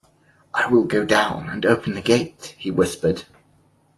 "I will go down and open the gate," he whispered.